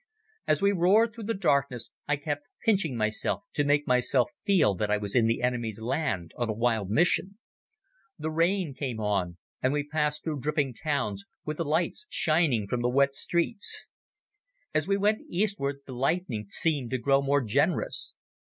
As we roared through the darkness I kept pinching myself to make myself feel that I was in the enemy's land on a wild mission. The rain came on, and we passed through dripping towns, with the lights shining from the wet streets. As we went eastward the lighting seemed to grow more generous.